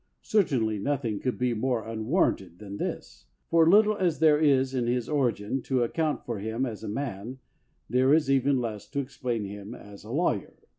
Cer tainly nothing could be more unwarranted than this; for little as there is in his origin to account for him as a man, there is even less to explain him as a lawyer.